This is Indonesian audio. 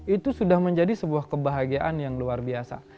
itu sudah menjadi sebuah kebahagiaan yang luar biasa